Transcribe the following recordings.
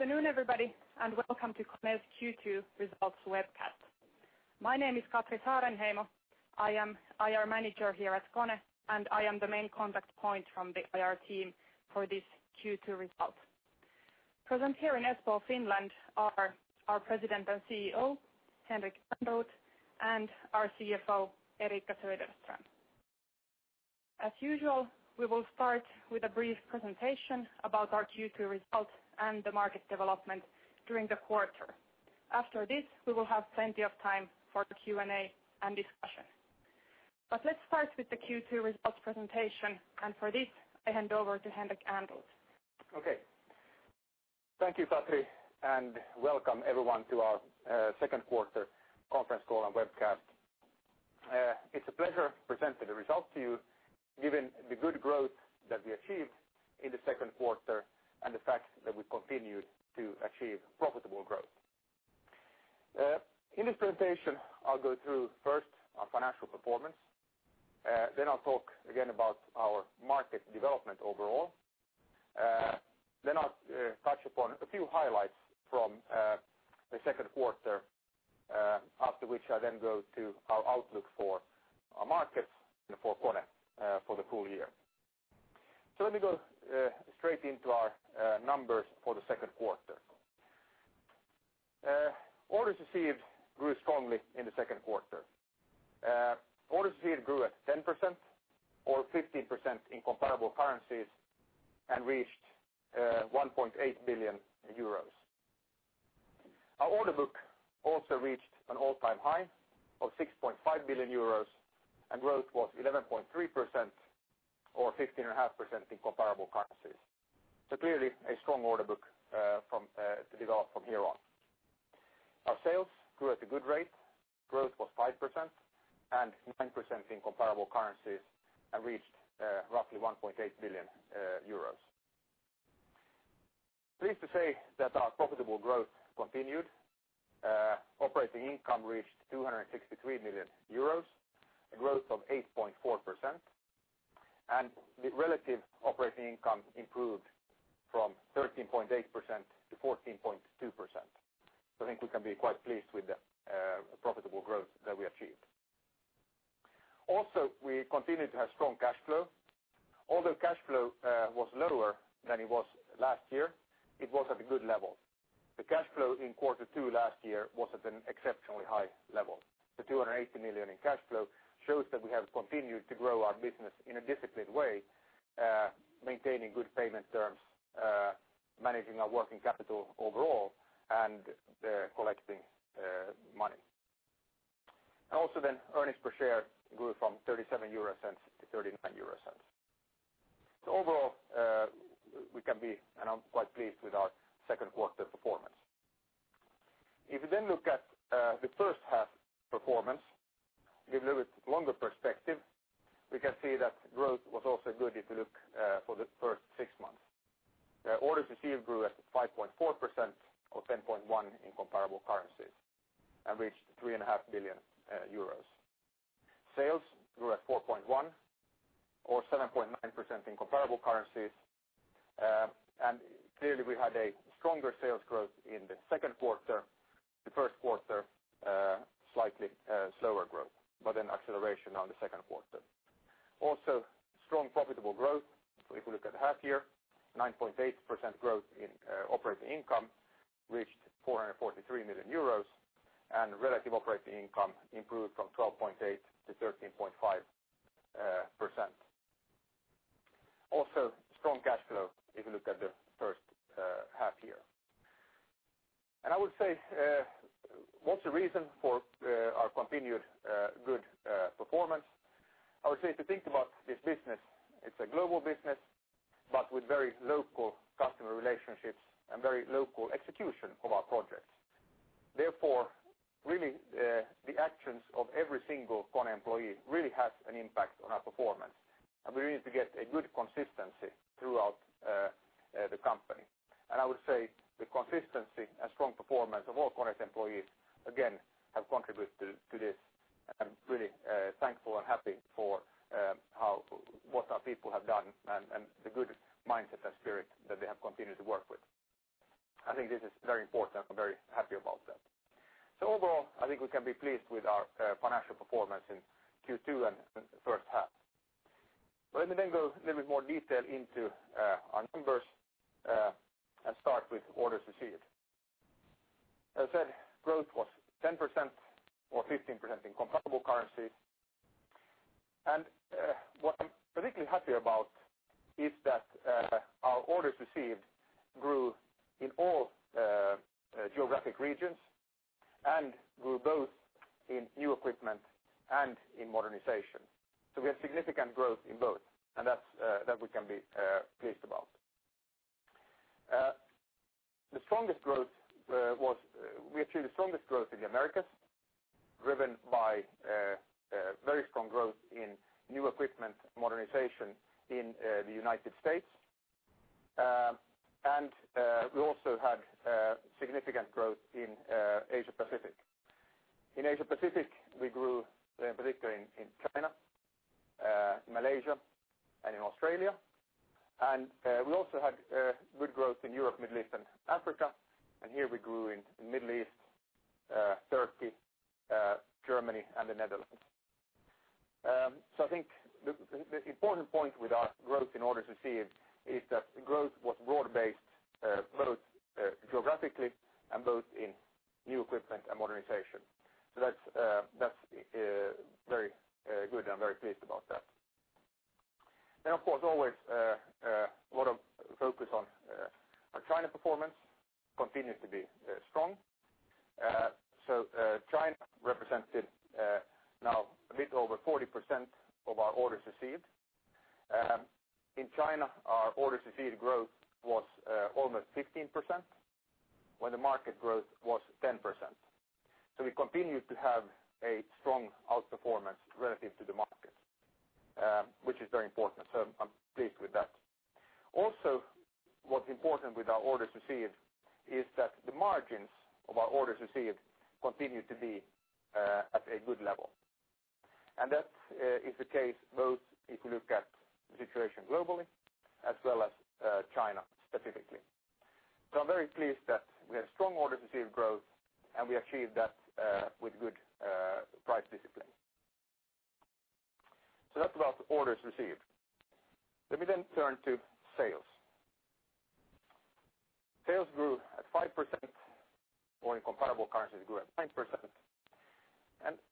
Good afternoon, everybody, and welcome to KONE's Q2 results webcast. My name is Katri Saarenheimo. I am IR manager here at KONE, and I am the main contact point from the IR team for these Q2 results. Present here in Espoo, Finland, are our President and CEO, Henrik Ehrnrooth, and our CFO, Eriikka Söderström. As usual, we will start with a brief presentation about our Q2 results and the market development during the quarter. After this, we will have plenty of time for Q&A and discussion. Let's start with the Q2 results presentation, and for this, I hand over to Henrik Ehrnrooth. Thank you, Katri, and welcome everyone to our second quarter conference call and webcast. It's a pleasure presenting the results to you, given the good growth that we achieved in the second quarter and the fact that we continued to achieve profitable growth. In this presentation, I'll go through first our financial performance, then I'll talk again about our market development overall, then I'll touch upon a few highlights from the second quarter, after which I then go to our outlook for our markets and for KONE for the full year. Let me go straight into our numbers for the second quarter. Orders received grew strongly in the second quarter. Orders received grew at 10%, or 15% in comparable currencies, and reached 1.8 billion euros. Our order book also reached an all-time high of 6.5 billion euros, and growth was 11.3%, or 15.5% in comparable currencies. Clearly, a strong order book to develop from here on. Our sales grew at a good rate. Growth was 5%, and 9% in comparable currencies, and reached roughly 1.8 billion euros. Pleased to say that our profitable growth continued. Operating income reached 263 million euros, a growth of 8.4%, and the relative operating income improved from 13.8% to 14.2%. I think we can be quite pleased with the profitable growth that we achieved. Also, we continued to have strong cash flow. Although cash flow was lower than it was last year, it was at a good level. The cash flow in quarter two last year was at an exceptionally high level. The 280 million in cash flow shows that we have continued to grow our business in a disciplined way, maintaining good payment terms, managing our working capital overall, and collecting money. Also then earnings per share grew from 0.37 to 0.39. Overall, we can be, and I'm quite pleased with our second quarter performance. If we then look at the first half performance, give a little bit longer perspective, we can see that growth was also good if you look for the first six months. Orders received grew at 5.4%, or 10.1% in comparable currencies, and reached 3.5 billion euros. Sales grew at 4.1%, or 7.9% in comparable currencies. Clearly, we had a stronger sales growth in the second quarter. The first quarter slightly slower growth, but an acceleration on the second quarter. Also, strong profitable growth. If we look at the half year, 9.8% growth in operating income, reached 443 million euros, and relative operating income improved from 12.8% to 13.5%. Also, strong cash flow if you look at the first half year. I would say, what's the reason for our continued good performance? I would say, to think about this business, it's a global business, but with very local customer relationships and very local execution of our projects. Therefore, really the actions of every single KONE employee really has an impact on our performance, and we need to get a good consistency throughout the company. I would say the consistency and strong performance of all KONE employees, again, have contributed to this. I am really thankful and happy for what our people have done and the good mindset and spirit that they have continued to work with. I think this is very important. I am very happy about that. Overall, I think we can be pleased with our financial performance in Q2 and the first half. Let me then go a little bit more detail into our numbers, and start with orders received. As I said, growth was 10%, or 15% in comparable currency. What I am particularly happy about is that our orders received grew in all geographic regions and grew both in new equipment and in modernization. We have significant growth in both, and that we can be pleased about. We achieved the strongest growth in the Americas, driven by very strong growth in new equipment modernization in the U.S. We also had significant growth in Asia Pacific. In Asia Pacific, we grew in particular in China, Malaysia, and in Australia. We also had good growth in Europe, Middle East, and Africa. Here we grew in the Middle East, Turkey, Germany and the Netherlands. I think the important point with our growth in orders received is that growth was broad-based, both geographically and both in new equipment and modernization. That's very good, and I am very pleased about that. Of course, always a lot of focus on our China performance continues to be strong. China represented now a bit over 40% of our orders received. In China, our orders received growth was almost 15%, when the market growth was 10%. We continued to have a strong outperformance relative to the market, which is very important. I am pleased with that. Also, what's important with our orders received is that the margins of our orders received continue to be at a good level. That is the case both if you look at the situation globally as well as China specifically. I am very pleased that we had strong orders received growth, and we achieved that with good price discipline. That's about orders received. Let me then turn to sales. Sales grew at 5% or in comparable currencies grew at 9%.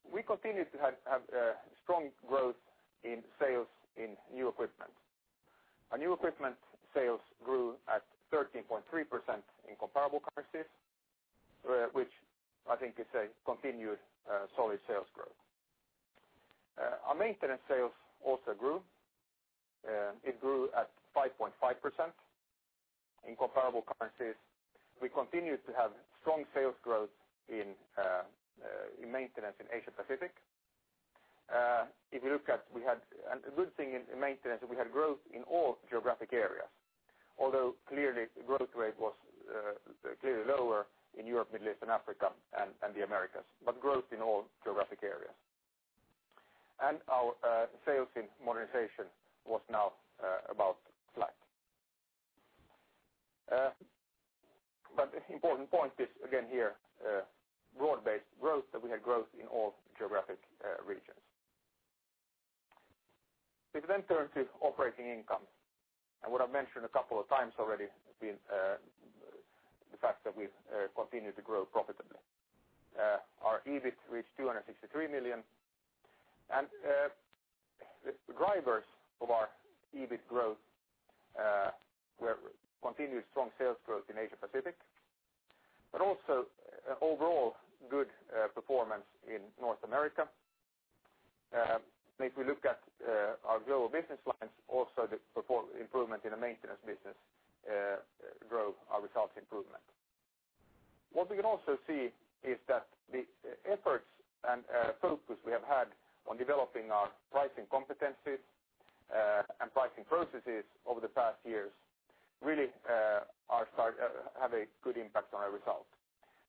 We continued to have strong growth in sales in new equipment. Our new equipment sales grew at 13.3% in comparable currencies which I think is a continued solid sales growth. Our maintenance sales also grew. It grew at 5.5% in comparable currencies. We continued to have strong sales growth in maintenance in Asia Pacific. A good thing in maintenance, we had growth in all geographic areas, although clearly the growth rate was clearly lower in Europe, Middle East and Africa and the Americas, but growth in all geographic areas. Our sales in modernization was now about flat. Important point is, again here, broad-based growth, that we had growth in all geographic regions. If we then turn to operating income, what I've mentioned a couple of times already, the fact that we've continued to grow profitably. Our EBIT reached 263 million. The drivers of our EBIT growth were continued strong sales growth in Asia Pacific, also overall good performance in North America. If we look at our global business lines, also the performance improvement in the maintenance business drove our results improvement. What we can also see is that the efforts and focus we have had on developing our pricing competencies, pricing processes over the past years really have a good impact on our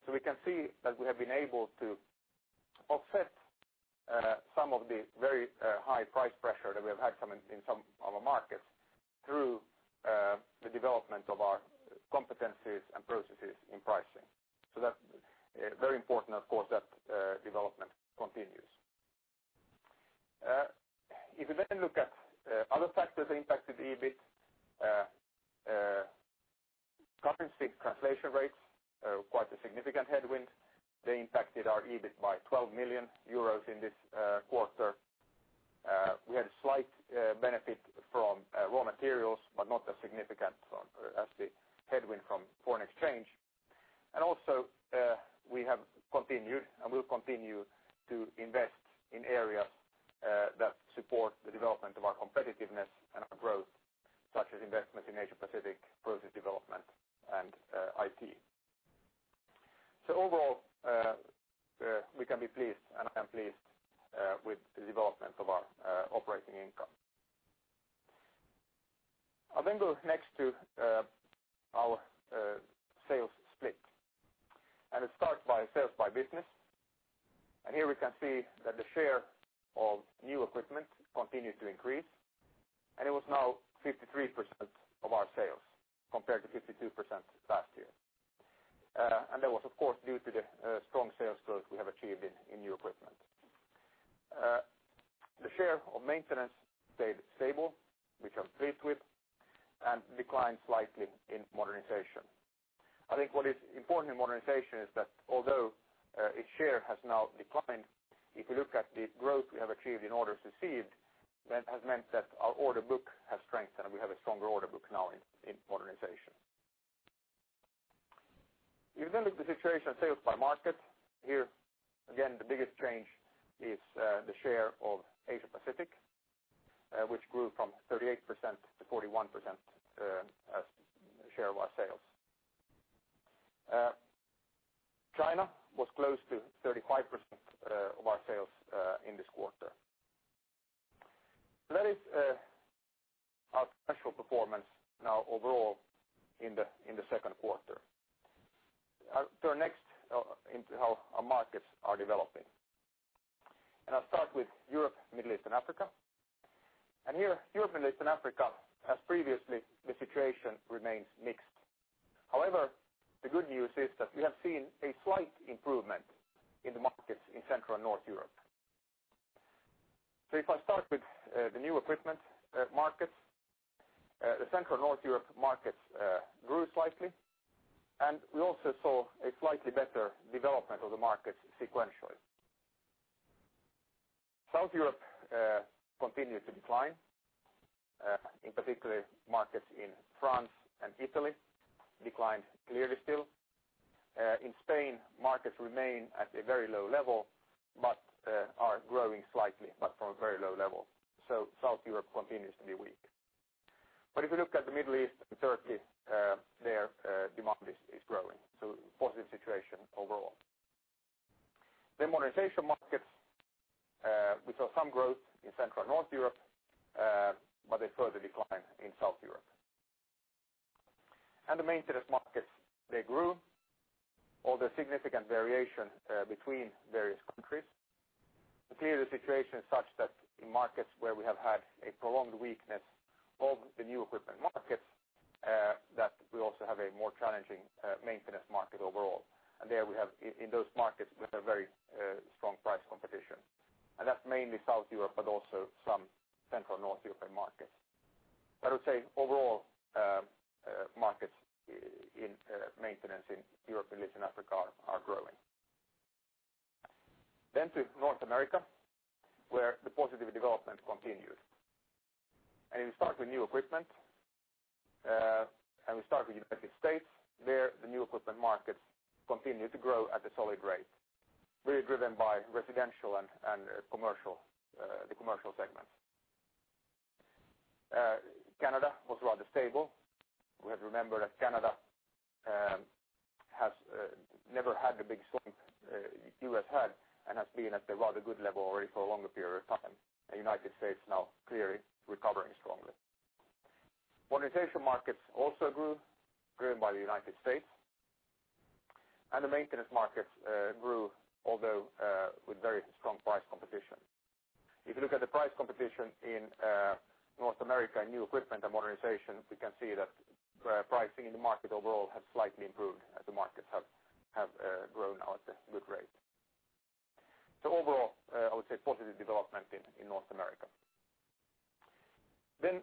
results. We can see that we have been able to offset some of the very high price pressure that we have had in some of our markets through the development of our competencies and processes in pricing. That's very important, of course, that development continues. If we look at other factors that impacted EBIT, currency translation rates are quite a significant headwind. They impacted our EBIT by 12 million euros in this quarter. We had a slight benefit from raw materials, but not as significant as the headwind from foreign exchange. Also, we have continued and will continue to invest in areas that support the development of our competitiveness and our growth, such as investments in Asia Pacific, process development and IT. Overall, we can be pleased, and I'm pleased with the development of our operating income. I'll go next to our sales split, it starts by sales by business. Here we can see that the share of new equipment continued to increase, it was now 53% of our sales compared to 52% last year. That was, of course, due to the strong sales growth we have achieved in new equipment. The share of maintenance stayed stable, which I'm pleased with, and declined slightly in modernization. I think what is important in modernization is that although its share has now declined, if you look at the growth we have achieved in orders received, that has meant that our order book has strengthened and we have a stronger order book now in modernization. If you look at the situation of sales by market, here again, the biggest change is the share of Asia Pacific, which grew from 38% to 41% as share of our sales. China was close to 35% of our sales in this quarter. That is our financial performance now overall in the second quarter. I'll turn next into how our markets are developing, I'll start with Europe, Middle East, and Africa. Here, Europe, Middle East, and Africa, as previously, the situation remains mixed. However, the good news is that we have seen a slight improvement in the markets in Central and North Europe. If I start with the new equipment markets, the Central North Europe markets grew slightly, we also saw a slightly better development of the markets sequentially. South Europe continued to decline. In particular, markets in France and Italy declined clearly still. In Spain, markets remain at a very low level, but are growing slightly, but from a very low level. South Europe continues to be weak. If you look at the Middle East and Turkey, their demand is growing, so a positive situation overall. The modernization markets, we saw some growth in Central and North Europe, but a further decline in South Europe. The maintenance markets, they grew, although significant variation between various countries. Clearly the situation is such that in markets where we have had a prolonged weakness of the new equipment markets, that we also have a more challenging maintenance market overall. There we have, in those markets, we have very strong price competition. That's mainly South Europe, but also some Central North Europe markets. I would say overall, markets in maintenance in Europe, Middle East, and Africa are growing. To North America, where the positive development continues. We start with new equipment, and we start with United States. There, the new equipment markets continue to grow at a solid rate, really driven by residential and the commercial segment. Canada was rather stable. We have to remember that Canada has never had the big slump U.S. had and has been at a rather good level already for a longer period of time. United States now clearly recovering strongly. Modernization markets also grew, driven by the United States. The maintenance markets grew, although with very strong price competition. If you look at the price competition in North America, new equipment and modernization, we can see that pricing in the market overall has slightly improved as the markets have grown now at a good rate. Overall, I would say positive development in North America.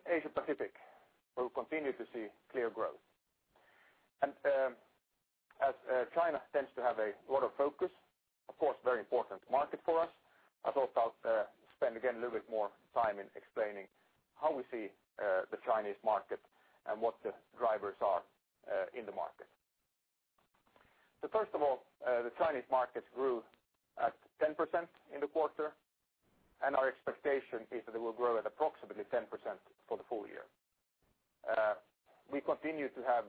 Asia Pacific. We continue to see clear growth. As China tends to have a lot of focus, of course, very important market for us. I thought I'd spend again a little bit more time in explaining how we see the Chinese market and what the drivers are in the market. First of all, the Chinese market grew at 10% in the quarter, and our expectation is that it will grow at approximately 10% for the full year. We continue to have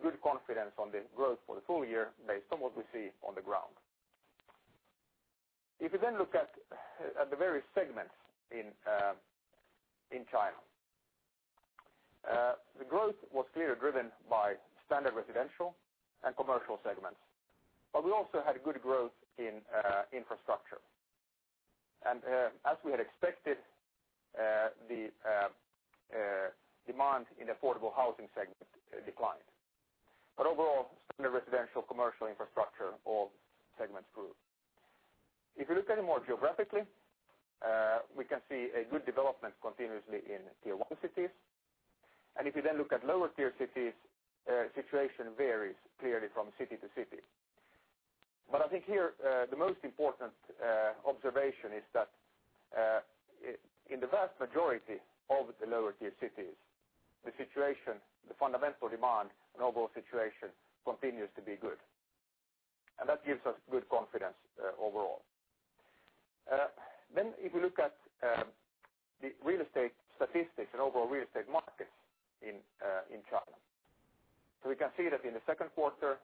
good confidence on the growth for the full year based on what we see on the ground. If you look at the various segments in China. The growth was clearly driven by standard residential and commercial segments, but we also had good growth in infrastructure. As we had expected, the demand in the affordable housing segment declined. Overall, standard residential, commercial infrastructure, all segments grew. If you look at it more geographically, we can see a good development continuously in tier 1 cities. If you then look at lower tier cities, situation varies clearly from city to city. I think here, the most important observation is that in the vast majority of the lower tier cities, the situation, the fundamental demand and overall situation continues to be good. That gives us good confidence overall. If we look at the real estate statistics and overall real estate markets in China. We can see that in the second quarter,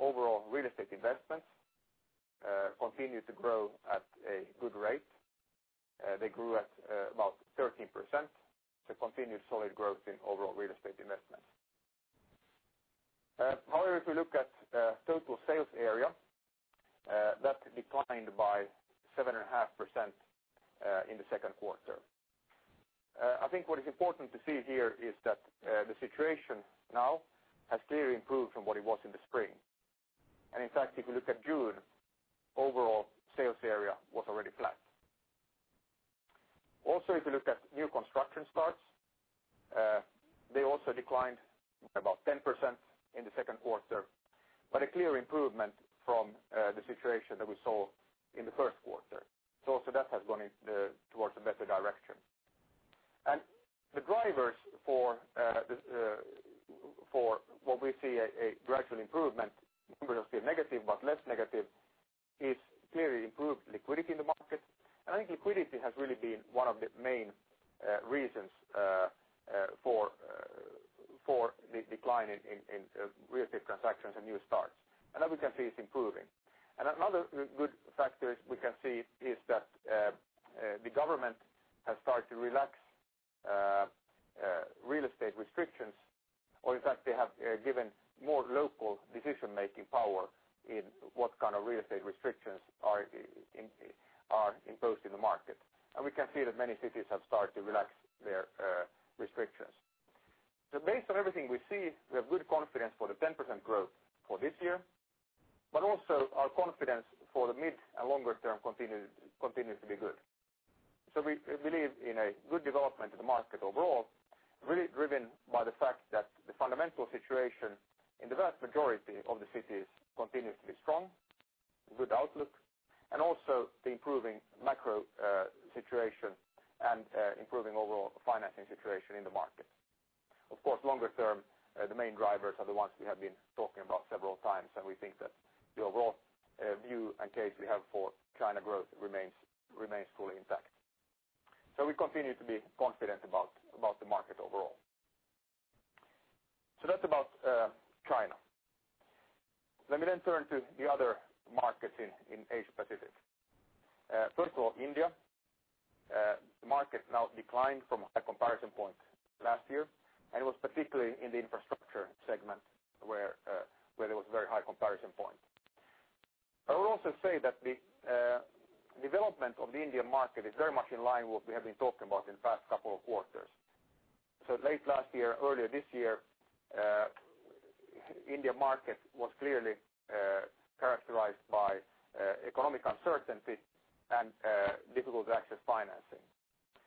overall real estate investments continued to grow at a good rate. They grew at about 13%, so continued solid growth in overall real estate investment. However, if you look at total sales area, that declined by 7.5% in the second quarter. I think what is important to see here is that the situation now has clearly improved from what it was in the spring. In fact, if you look at June, overall sales area was already flat. Also, if you look at new construction starts, they also declined about 10% in the second quarter, but a clear improvement from the situation that we saw in the first quarter. Also that has gone towards a better direction. The drivers for what we see a gradual improvement, numbers are still negative, but less negative, is clearly improved liquidity in the market. I think liquidity has really been one of the main reasons for the decline in real estate transactions and new starts. That we can see it's improving. Another good factor is we can see is that the government has started to relax real estate restrictions, or in fact, they have given more local decision-making power in what kind of real estate restrictions are imposed in the market. We can see that many cities have started to relax their restrictions. Based on everything we see, we have good confidence for the 10% growth for this year, but also our confidence for the mid and longer term continues to be good. We believe in a good development of the market overall, really driven by the fact that the fundamental situation in the vast majority of the cities continues to be strong, good outlook, and also the improving macro situation and improving overall financing situation in the market. Of course, longer term, the main drivers are the ones we have been talking about several times, and we think that the overall view and case we have for China growth remains fully intact. We continue to be confident about the market overall. That's about China. Let me then turn to the other markets in Asia Pacific. First of all, India. The market now declined from a high comparison point last year, and it was particularly in the infrastructure segment where there was a very high comparison point. I would also say that the development of the Indian market is very much in line with what we have been talking about in the past couple of quarters. Late last year, earlier this year, India market was clearly characterized by economic uncertainty and difficulty to access financing.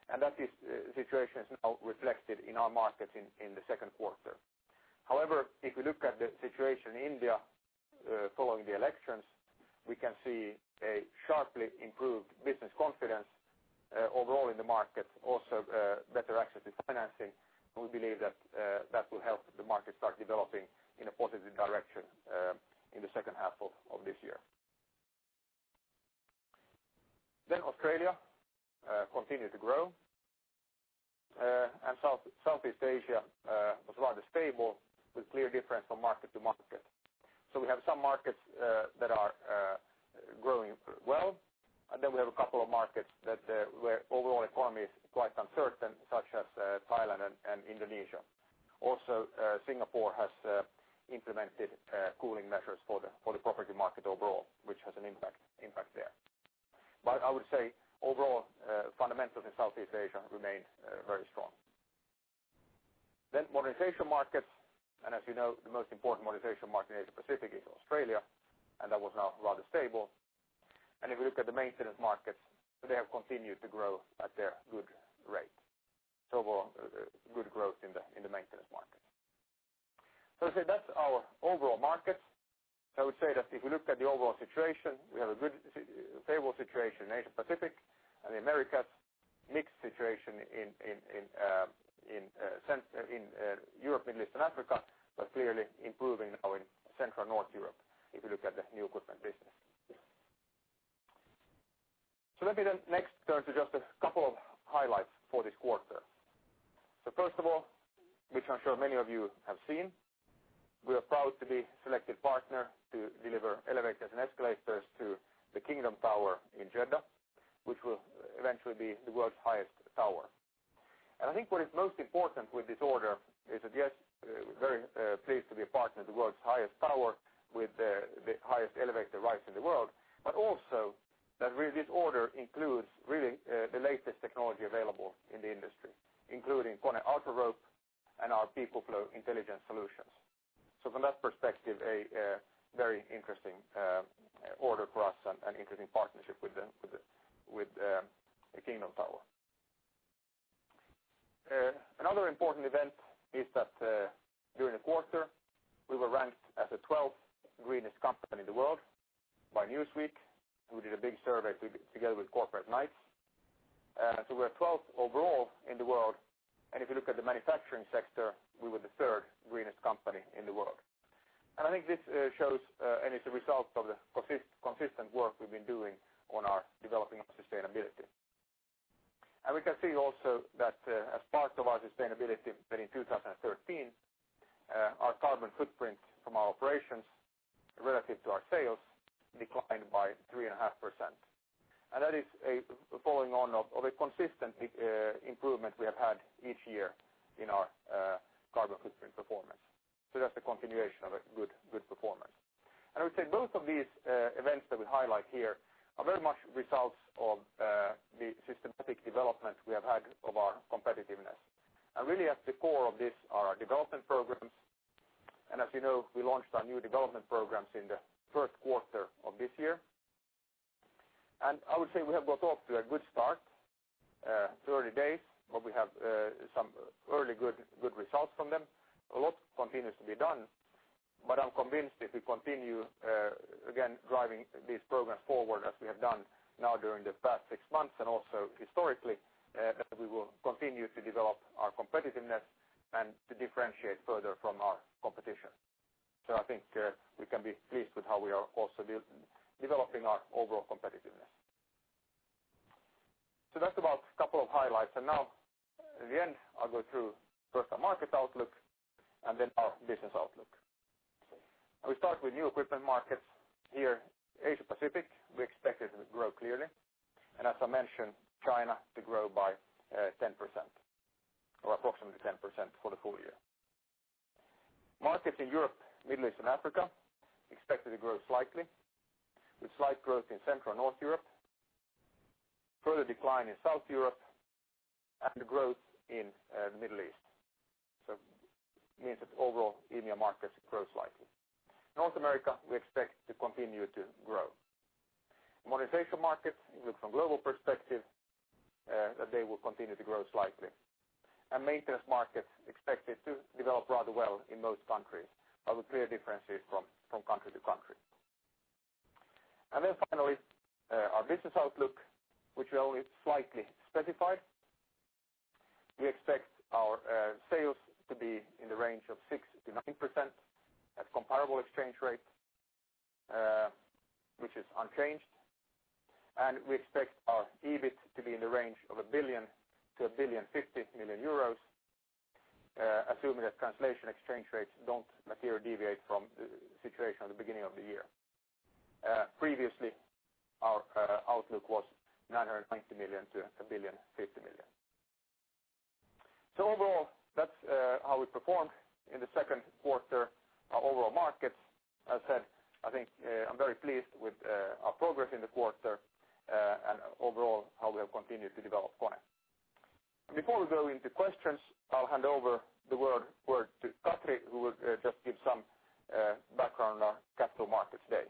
That is the situation is now reflected in our markets in the second quarter. However, if we look at the situation in India following the elections, we can see a sharply improved business confidence overall in the market, also better access to financing, and we believe that that will help the market start developing in a positive direction in the second half of this year. Australia continued to grow, and Southeast Asia was rather stable with clear difference from market to market. We have some markets that are growing well, and then we have a couple of markets where overall economy is quite uncertain, such as Thailand and Indonesia. Also, Singapore has implemented cooling measures for the property market overall, which has an impact there. I would say overall, fundamentals in Southeast Asia remained very strong. Modernization markets, as you know, the most important modernization market in Asia Pacific is Australia, that was now rather stable. If you look at the maintenance markets, they have continued to grow at their good rate. Overall, good growth in the maintenance market. I would say that's our overall markets. I would say that if we look at the overall situation, we have a good stable situation in Asia Pacific and the Americas, mixed situation in Europe, Middle East, and Africa, but clearly improving now in Central and North Europe, if you look at the new equipment business. Let me then next turn to just a couple of highlights for this quarter. First of all, which I'm sure many of you have seen, we are proud to be selected partner to deliver elevators and escalators to the Kingdom Tower in Jeddah, which will eventually be the world's highest tower. I think what is most important with this order is that, yes, Markets in Europe, Middle East, and Africa expected to grow slightly, with slight growth in Central and North Europe, further decline in South Europe, and growth in the Middle East. It means that overall EMEA markets grow slightly. North America, we expect to continue to grow. Modernization markets, if you look from global perspective, that they will continue to grow slightly. Maintenance markets expected to develop rather well in most countries, but with clear differences from country to country. Then finally, our business outlook, which we only slightly specified. We expect our sales to be in the range of 6%-9% at comparable exchange rate, which is unchanged. We expect our EBIT to be in the range of 1 billion-1.05 billion, assuming that translation exchange rates don't materially deviate from the situation at the beginning of the year. Previously, our outlook was 990 million-1.05 billion. Overall, that's how we performed in the second quarter. Our overall markets, as I said, I think I'm very pleased with our progress in the quarter and overall how we have continued to develop KONE. Before we go into questions, I'll hand over the word to Katri, who will just give some background on our capital markets day.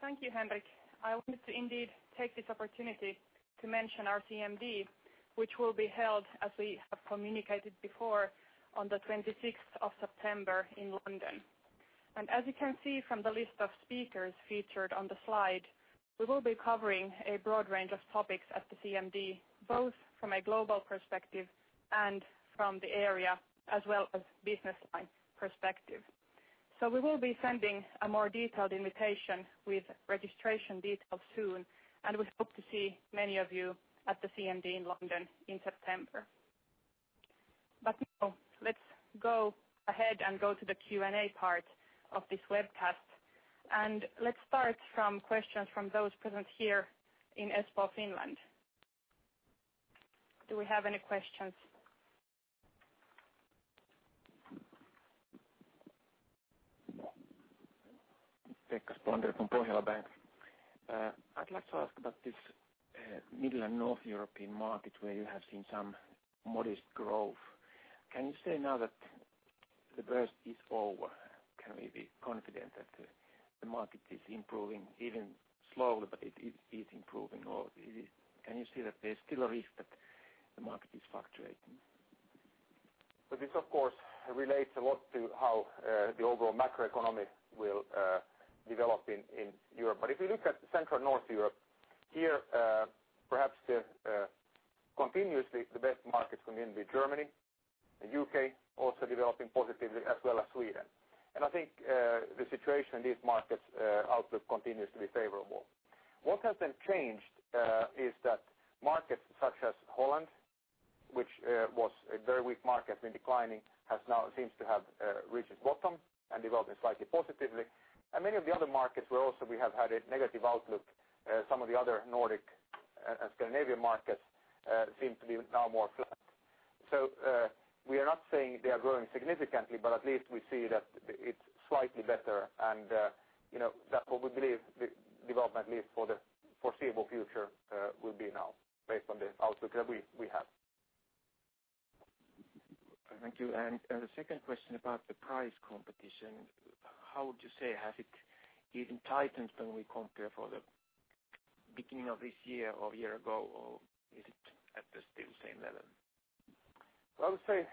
Thank you, Henrik. I wanted to indeed take this opportunity to mention our CMD, which will be held, as we have communicated before, on the 26th of September in London. As you can see from the list of speakers featured on the slide, we will be covering a broad range of topics at the CMD, both from a global perspective and from the area, as well as business line perspective. We will be sending a more detailed invitation with registration details soon, and we hope to see many of you at the CMD in London in September. Now, let's go ahead and go to the Q&A part of this webcast. Let's start from questions from those present here in Espoo, Finland. Do we have any questions? Pekka Spolander from Pohjola Bank. I'd like to ask about this Middle and North European market where you have seen some modest growth. Can you say now that the worst is over? Can we be confident that the market is improving, even slowly, but it is improving? Can you see that there's still a risk that the market is fluctuating? This, of course, relates a lot to how the overall macroeconomy will develop in Europe. If you look at Central and North Europe here, perhaps continuously the best markets for me would be Germany and U.K. also developing positively, as well as Sweden. I think the situation in these markets outlook continues to be favorable. What has been changed is that markets such as Holland, which was a very weak market, been declining, now seems to have reached bottom and developing slightly positively. Many of the other markets where also we have had a negative outlook, some of the other Nordic and Scandinavian markets seem to be now more flat. We are not saying they are growing significantly, but at least we see that it's slightly better and that's what we believe the development, at least for the foreseeable future, will be now based on the outlook that we have. Thank you. The second question about the price competition. How would you say has it even tightened when we compare for the beginning of this year or a year ago, or is it at the still same level? Well, I would say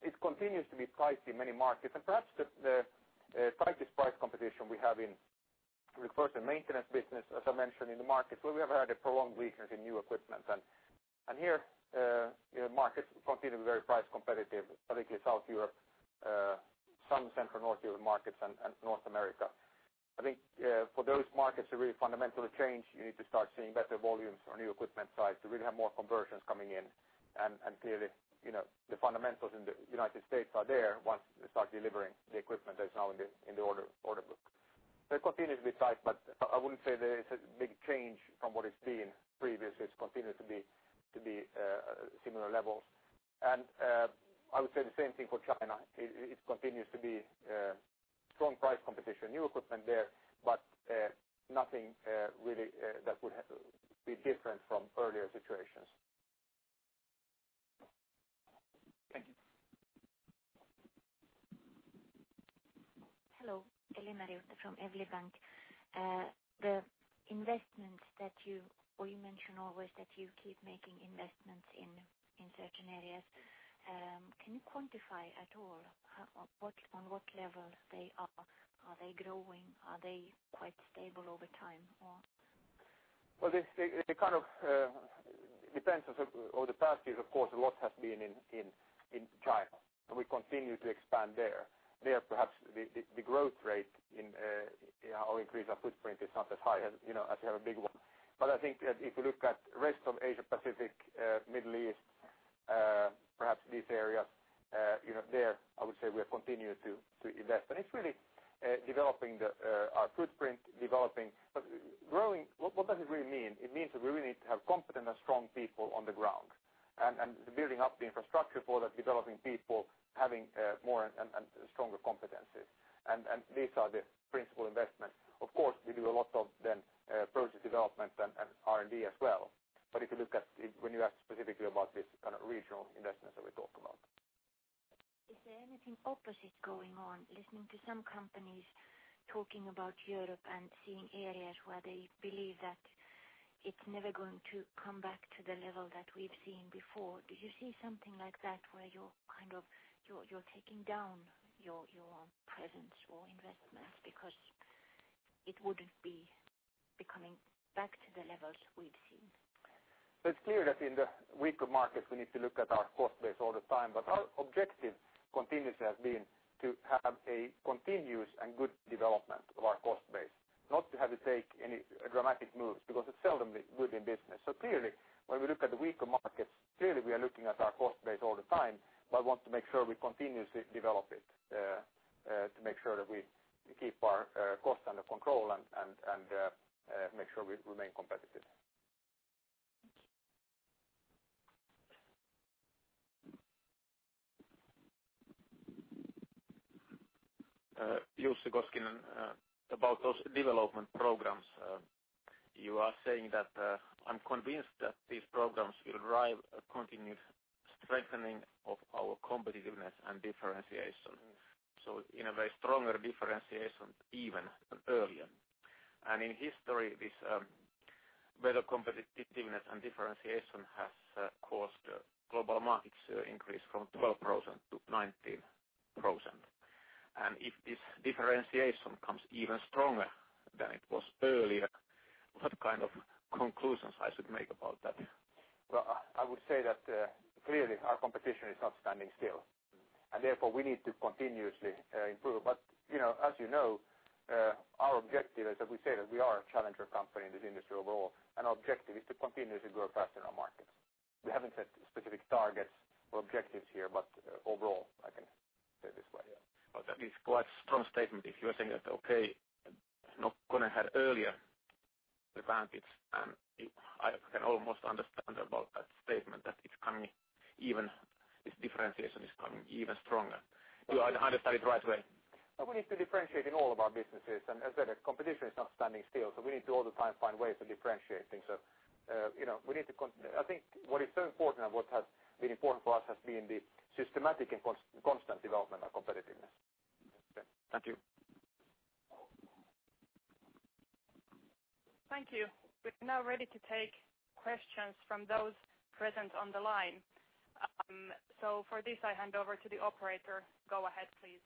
it continues to be pricey in many markets. Perhaps the priciest price competition we have in the first and maintenance business, as I mentioned, in the markets where we have had a prolonged weakness in new equipment. Here markets continue to be very price competitive, particularly South Europe, some Central North Europe markets and North America. I think for those markets to really fundamentally change, you need to start seeing better volumes on new equipment sites to really have more conversions coming in. Clearly, the fundamentals in the United States are there once they start delivering the equipment that is now in the order book. There continues to be price, but I wouldn't say there is a big change from what it's been previously. It's continued to be similar levels. I would say the same thing for China. It continues to be strong price competition, new equipment there, but nothing really that would be different from earlier situations. Thank you. Hello. Eli Mariotte from Evli Bank. Well, you mention always that you keep making investments in certain areas. Can you quantify at all on what levels they are? Are they growing? Are they quite stable over time, or? Well, they kind of It depends. Over the past years, of course, a lot has been in China, and we continue to expand there. There, perhaps the growth rate or increase of footprint is not as high as you have a big one. I think that if you look at rest of Asia-Pacific, Middle East, perhaps these areas, there, I would say we have continued to invest. It's really developing our footprint. Growing, what does it really mean? It means that we really need to have competent and strong people on the ground, and building up the infrastructure for that, developing people, having more and stronger competencies. These are the principal investments. Of course, we do a lot of project development and R&D as well. When you ask specifically about this kind of regional investments that we talk about. Is there anything opposite going on? Listening to some companies talking about Europe and seeing areas where they believe that it's never going to come back to the level that we've seen before. Do you see something like that where you're taking down your presence or investments because it wouldn't be coming back to the levels we've seen? It's clear that in the weaker markets, we need to look at our cost base all the time. Our objective continuously has been to have a continuous and good development of our cost base, not to have to take any dramatic moves, because it's seldom good in business. Clearly, when we look at the weaker markets, clearly we are looking at our cost base all the time, but want to make sure we continuously develop it, to make sure that we keep our costs under control and make sure we remain competitive. Yosti Kostinen. About those development programs, you are saying that, "I'm convinced that these programs will drive a continued strengthening of our competitiveness and differentiation." In a way, stronger differentiation even than earlier. In history, this better competitiveness and differentiation has caused global markets increase from 12% to 19%. If this differentiation comes even stronger than it was earlier, what kind of conclusions I should make about that? Well, I would say that, clearly, our competition is not standing still, therefore we need to continuously improve. As you know, our objective is that we say that we are a challenger company in this industry overall, our objective is to continuously grow faster in our markets. We haven't set specific targets or objectives here, overall, I can say it this way, yeah. That is quite strong statement if you are saying that, okay, KONE had earlier advantage, and I can almost understand about that statement that this differentiation is becoming even stronger. Do I understand it right away? We need to differentiate in all of our businesses. As I said, the competition is not standing still, we need to all the time find ways to differentiate things. I think what is so important and what has been important for us has been the systematic and constant development of competitiveness. Okay. Thank you. Thank you. We're now ready to take questions from those present on the line. For this, I hand over to the operator. Go ahead, please.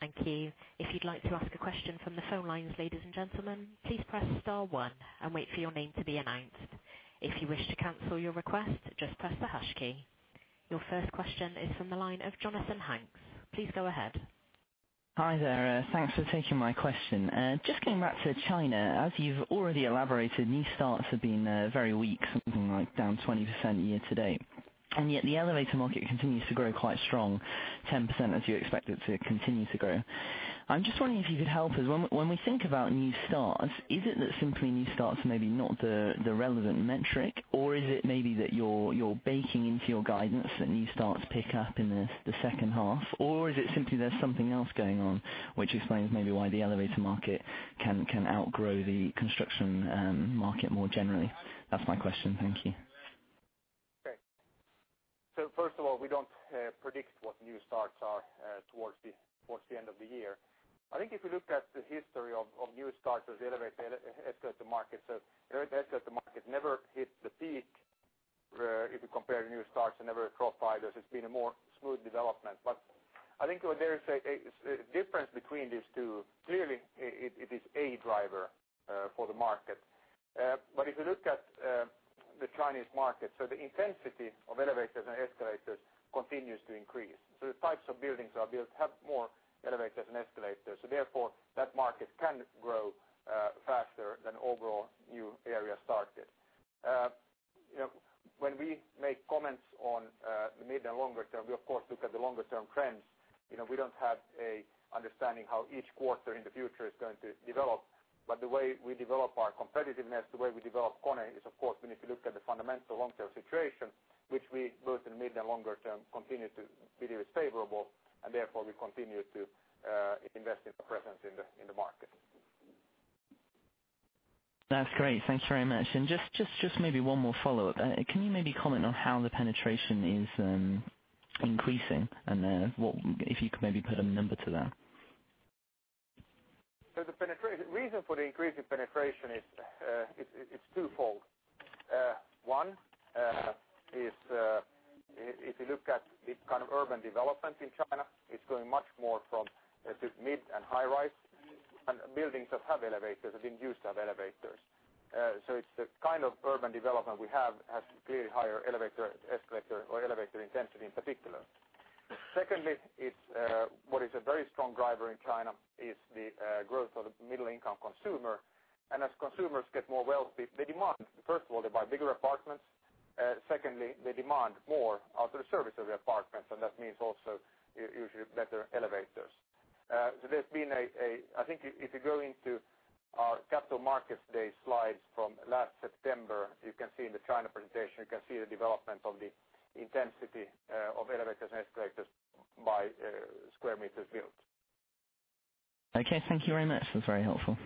Thank you. If you'd like to ask a question from the phone lines, ladies and gentlemen, please press star one and wait for your name to be announced. If you wish to cancel your request, just press the hash key. Your first question is from the line of Jonathan Hanks. Please go ahead. Hi there. Thanks for taking my question. Just coming back to China, as you've already elaborated, new starts have been very weak, something like down 20% year-to-date. Yet the elevator market continues to grow quite strong, 10% as you expect it to continue to grow. I'm just wondering if you could help us. When we think about new starts, is it that simply new starts are maybe not the relevant metric, or is it maybe that you're baking into your guidance that new starts pick up in the second half? Is it simply there's something else going on which explains maybe why the elevator market can outgrow the construction market more generally? That's my question. Thank you. Okay. First of all, we don't predict what new starts are towards the end of the year. I think if you look at the history of new starts as elevator, escalator markets, escalator market never hit the peak. If you compare new starts and elevator/escalator buyers, it's been a more smooth development. I think there is a difference between these two. Clearly, it is a driver for the market. If you look at the Chinese market, the intensity of elevators and escalators continues to increase. The types of buildings that are built have more elevators than escalators. Therefore, that market can grow faster than overall new area started. When we make comments on the mid and longer term, we of course look at the longer term trends. We don't have an understanding how each quarter in the future is going to develop. The way we develop our competitiveness, the way we develop KONE is, of course, we need to look at the fundamental long-term situation, which we, both in mid and longer term, continue to be favorable, and therefore we continue to invest in the presence in the market. That's great. Thanks very much. Just maybe one more follow-up. Can you maybe comment on how the penetration is increasing, and if you could maybe put a number to that? The reason for the increase in penetration is twofold. One. If you look at the urban development in China, it's going much more from mid and high rise and buildings that have elevators are being used to have elevators. It's the kind of urban development we have has clearly higher elevator, escalator or elevator intensity in particular. Secondly, what is a very strong driver in China is the growth of the middle income consumer. As consumers get more wealthy, they demand, first of all, they buy bigger apartments. Secondly, they demand more out of the service of the apartments, and that means also usually better elevators. I think if you go into our Capital Markets Day slides from last September, you can see in the China presentation, you can see the development of the intensity of elevators and escalators by sq m built. Okay. Thank you very much. That's very helpful.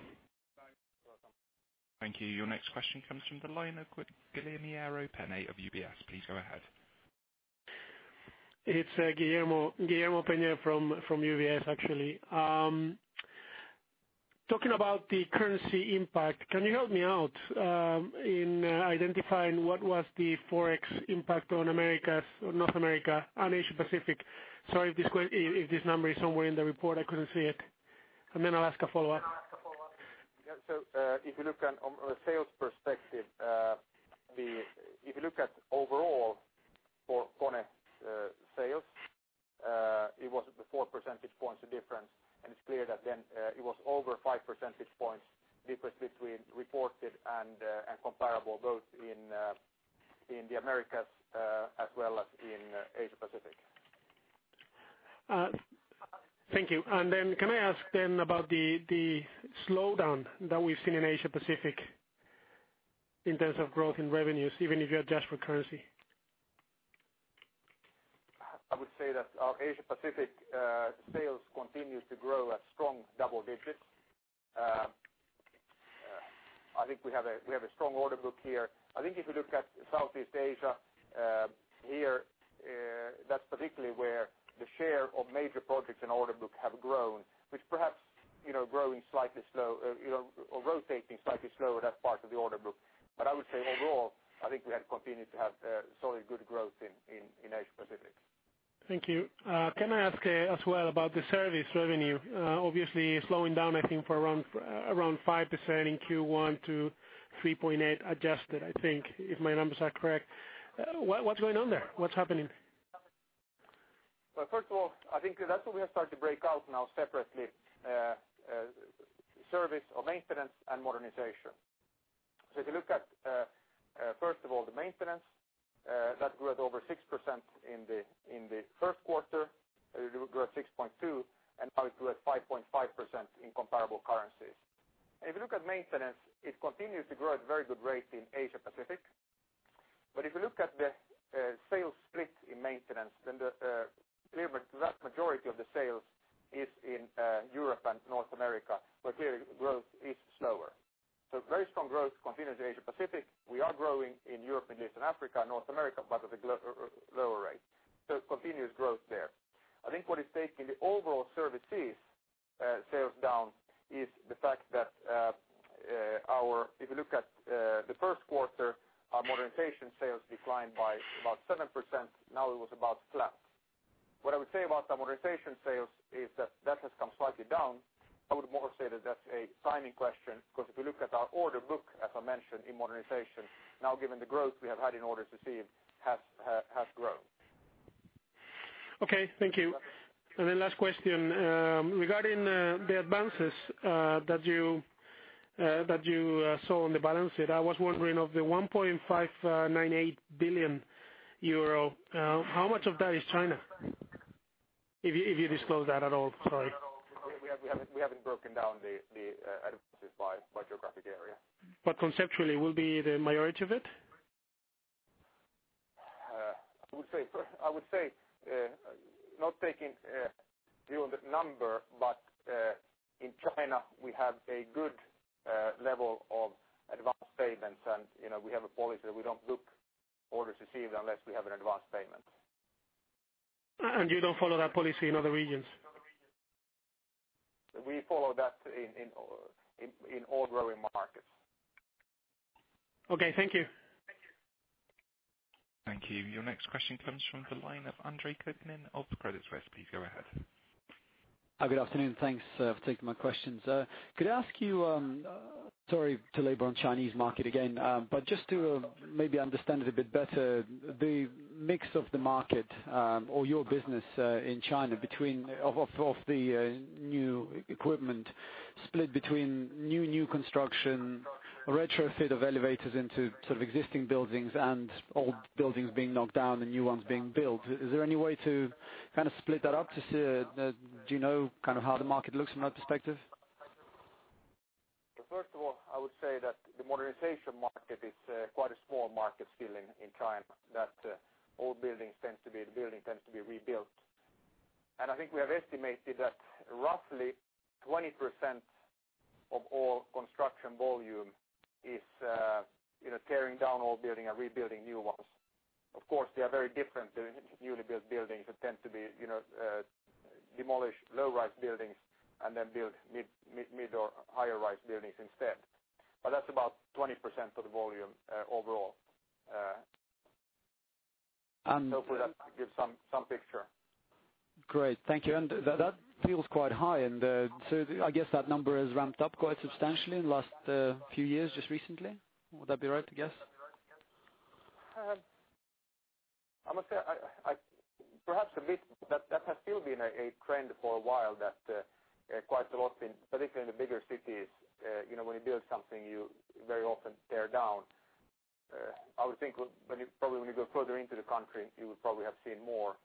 You're welcome. Thank you. Your next question comes from the line of Guillermo Peinador of UBS. Please go ahead. It's Guillermo Peinador from UBS, actually. Talking about the currency impact, can you help me out in identifying what was the forex impact on North America and Asia Pacific? Sorry if this number is somewhere in the report, I couldn't see it. Then I'll ask a follow-up. Yeah. If you look on a sales perspective, if you look at overall for KONE sales, it was the four percentage points difference, and it's clear that then it was over five percentage points difference between reported and comparable both in the Americas as well as in Asia Pacific. Thank you. Then can I ask then about the slowdown that we've seen in Asia Pacific in terms of growth in revenues, even if you adjust for currency? I would say that our Asia Pacific sales continue to grow at strong double digits. I think we have a strong order book here. I think if you look at Southeast Asia, here, that's particularly where the share of major projects and order book have grown, which perhaps growing slightly slow or rotating slightly slow, that part of the order book. I would say overall, I think we have continued to have solid good growth in Asia Pacific. Thank you. Can I ask as well about the service revenue? Obviously slowing down, I think for around 5% in Q1 to 3.8 adjusted, I think, if my numbers are correct. What's going on there? What's happening? First of all, I think that's why we have started to break out now separately service or maintenance and modernization. If you look at first of all, the maintenance that grew at over 6% in the first quarter, it grew at 6.2, now it grew at 5.5% in comparable currencies. If you look at maintenance, it continues to grow at very good rates in Asia Pacific. If you look at the sales split in maintenance, then the clear vast majority of the sales is in Europe and North America, but here growth is slower. Very strong growth continues in Asia Pacific. We are growing in Europe and Eastern Africa, North America, but at a lower rate. Continuous growth there. I think what is taking the overall services sales down is the fact that if you look at the first quarter, our modernization sales declined by about 7%. Now it was about flat. What I would say about the modernization sales is that that has come slightly down. I would more say that that's a timing question, because if you look at our order book, as I mentioned in modernization, now given the growth we have had in orders received, has grown. Okay, thank you. You're welcome. Last question, regarding the advances that you saw on the balance sheet, I was wondering of the 1.598 billion euro, how much of that is China? If you disclose that at all, sorry. We haven't broken down the advances by geographic area. Conceptually, will it be the majority of it? I would say, not taking view on the number, but in China, we have a good level of advanced payments, and we have a policy that we don't book orders received unless we have an advanced payment. You don't follow that policy in other regions? We follow that in all growing markets. Okay. Thank you. Thank you. Thank you. Your next question comes from the line of Andre Kukhnin of Credit Suisse. Please go ahead. Good afternoon. Thanks for taking my questions. Could I ask you, sorry to labor on Chinese market again, but just to maybe understand it a bit better, the mix of the market, or your business in China of the new equipment split between new construction, retrofit of elevators into existing buildings and old buildings being knocked down and new ones being built. Is there any way to split that up to see, do you know how the market looks from that perspective? First of all, I would say that the modernization market is quite a small market still in China. Old building tends to be rebuilt. I think we have estimated that roughly 20% of all construction volume is tearing down old building and rebuilding new ones. Of course, they are very different. Newly built buildings that tend to be demolish low-rise buildings and then build mid or higher rise buildings instead. That's about 20% of the volume overall. And- Hopefully that gives some picture. Great. Thank you. That feels quite high. I guess that number has ramped up quite substantially in the last few years, just recently. Would that be right to guess? I must say, perhaps a bit. That has still been a trend for a while, that quite a lot, particularly in the bigger cities, when you build something you very often tear down. I would think probably when you go further into the country, you would probably have seen more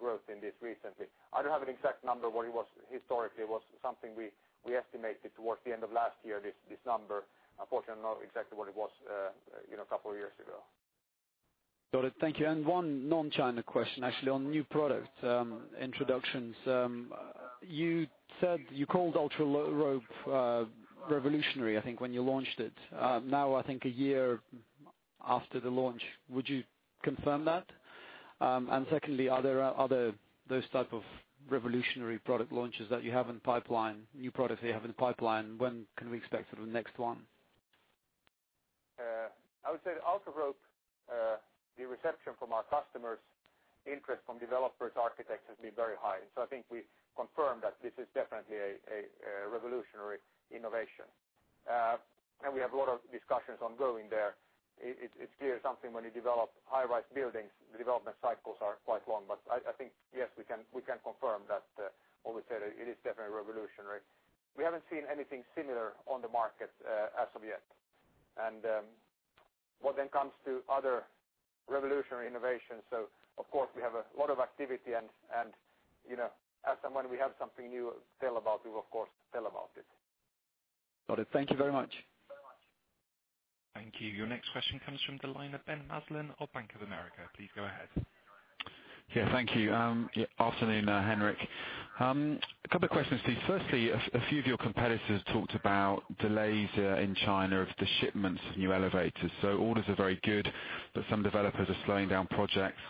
growth in this recently. I don't have an exact number what it was historically. It was something we estimated towards the end of last year, this number. Unfortunately, I don't know exactly what it was a couple of years ago. Got it. Thank you. One non-China question, actually, on new product introductions. You called UltraRope revolutionary, I think, when you launched it. Now, I think a year after the launch, would you confirm that? Secondly, are there other, those type of revolutionary product launches that you have in the pipeline, new products that you have in the pipeline? When can we expect the next one? I would say the UltraRope, the reception from our customers, interest from developers, architects, has been very high. I think we confirmed that this is definitely a revolutionary innovation. We have a lot of discussions ongoing there. It's clearly something when you develop high-rise buildings, the development cycles are quite long. I think, yes, we can confirm that. Like we said, it is definitely revolutionary. We haven't seen anything similar on the market as of yet. What then comes to other revolutionary innovations, of course we have a lot of activity and as and when we have something new to tell about, we will of course tell about it. Got it. Thank you very much. Thank you. Your next question comes from the line of Ben Maslen of Bank of America. Please go ahead. Yeah, thank you. Afternoon, Henrik. A couple of questions to you. Firstly, a few of your competitors talked about delays in China of the shipments of new elevators. Orders are very good, but some developers are slowing down projects,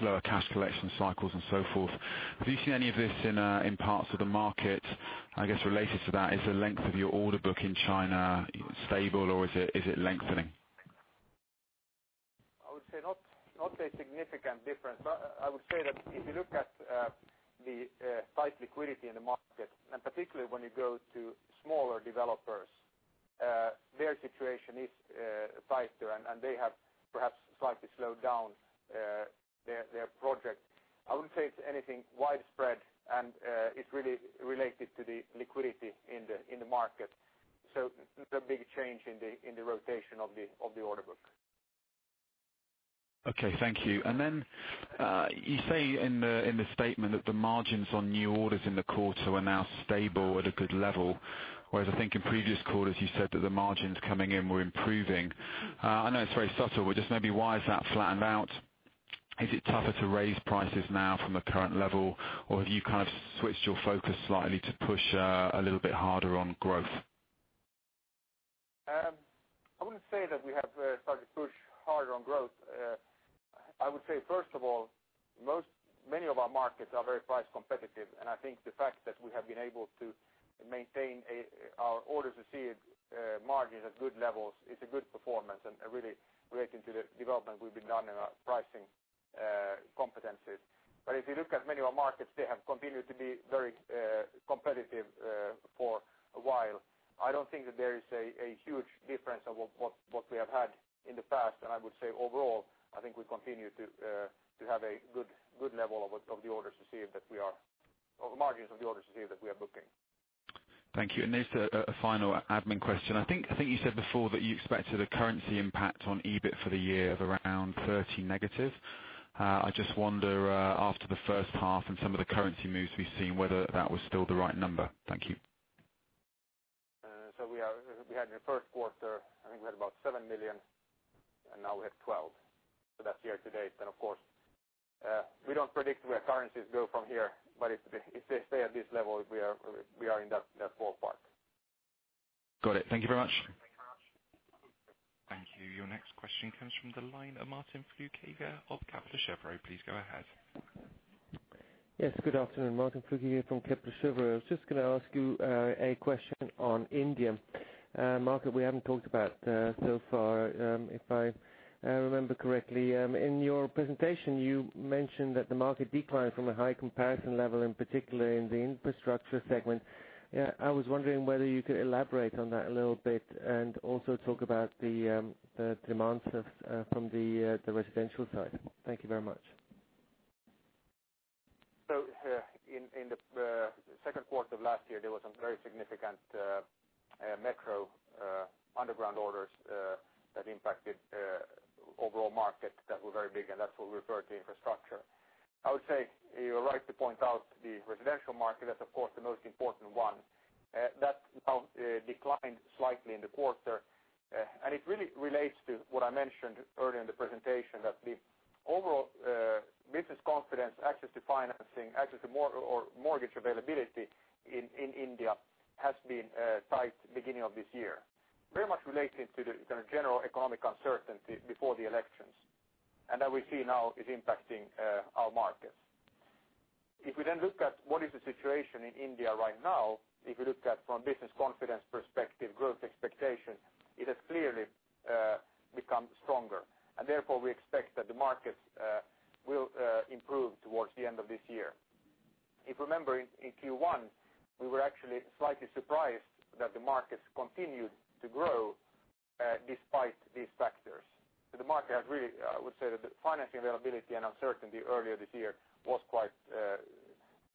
slower cash collection cycles and so forth. Have you seen any of this in parts of the market? I guess related to that, is the length of your order book in China stable, or is it lengthening? I would say not a significant difference. I would say that if you look at the tight liquidity in the market, and particularly when you go to smaller developers, their situation is tighter and they have perhaps slightly slowed down their project. I wouldn't say it's anything widespread, and it's really related to the liquidity in the market. There's no big change in the rotation of the order book. Okay, thank you. You say in the statement that the margins on new orders in the quarter are now stable at a good level, whereas I think in previous quarters, you said that the margins coming in were improving. I know it's very subtle, but just maybe why has that flattened out? Is it tougher to raise prices now from a current level? Have you kind of switched your focus slightly to push a little bit harder on growth? I wouldn't say that we have started to push harder on growth. I would say, first of all, many of our markets are very price competitive, and I think the fact that we have been able to maintain our order to see margins at good levels, it's a good performance and really relating to the development we've been done in our pricing competencies. If you look at many of our markets, they have continued to be very competitive for a while. I don't think that there is a huge difference of what we have had in the past. I would say overall, I think we continue to have a good level of the orders received that we are, or the margins of the orders received that we are booking. Thank you. Just a final admin question. I think you said before that you expected a currency impact on EBIT for the year of around 30 negative. I just wonder, after the first half and some of the currency moves we've seen, whether that was still the right number. Thank you. We had in the first quarter, I think we had about 7 million, and now we have 12 million. That's year-to-date. Of course, we don't predict where currencies go from here, but if they stay at this level, we are in that ballpark. Got it. Thank you very much. Thank you. Your next question comes from the line of Martin Flueckiger of Kepler Cheuvreux. Please go ahead. Yes, good afternoon. Martin Flueckiger from Kepler Cheuvreux. I was just going to ask you a question on India, a market we haven't talked about so far, if I remember correctly. In your presentation, you mentioned that the market declined from a high comparison level, in particular in the infrastructure segment. I was wondering whether you could elaborate on that a little bit and also talk about the demands from the residential side. Thank you very much. In the second quarter of last year, there were some very significant metro underground orders that impacted overall markets that were very big, and that's what we refer to infrastructure. I would say you're right to point out the residential market. That's of course the most important one. That now declined slightly in the quarter. It really relates to what I mentioned earlier in the presentation, that the overall business confidence, access to financing, access to mortgage availability in India has been tight beginning of this year. Very much related to the general economic uncertainty before the elections, that we see now is impacting our markets. If we look at what is the situation in India right now, if you look at it from business confidence perspective, growth expectation, it has clearly become stronger. Therefore, we expect that the markets will improve towards the end of this year. If remembering in Q1, we were actually slightly surprised that the markets continued to grow despite these factors. I would say that the financing availability and uncertainty earlier this year was quite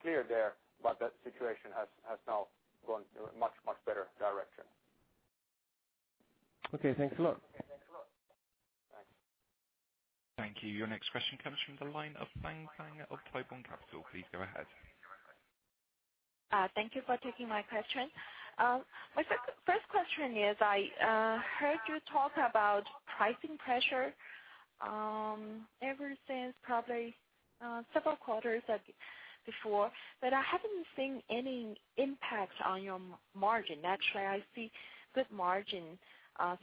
clear there, that situation has now gone in a much better direction. Okay, thanks a lot. Thanks. Thank you. Your next question comes from the line of Fang Peng of Taipan Capital. Please go ahead. Thank you for taking my question. My first question is, I heard you talk about pricing pressure ever since probably several quarters before, but I haven't seen any impact on your margin. Actually, I see good margin